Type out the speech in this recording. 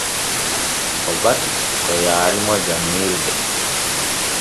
O bati ko yaarimo janŋirde.